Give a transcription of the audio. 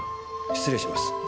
失礼します。